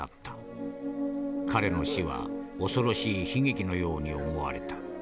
彼の死は恐ろしい悲劇のように思われた。